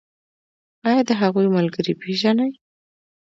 ایا د هغوی ملګري پیژنئ؟